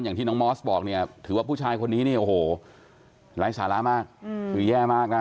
อย่างที่น้องมอสบอกเนี่ยถือว่าผู้ชายคนนี้เนี่ยโอ้โหไร้สาระมากคือแย่มากนะ